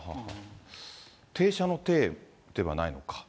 停車の停ではないのか。